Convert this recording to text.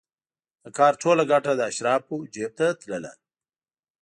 د کار ټوله ګټه د اشرافو جېب ته تلله.